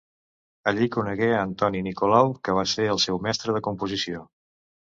Allí conegué a Antoni Nicolau, que va ser el seu mestre de composició.